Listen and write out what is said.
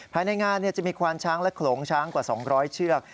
ภายในงานจะมีควานช้างและโขลงช้างกว่า๒๐๐เชือก